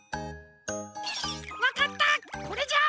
わかったこれじゃあ！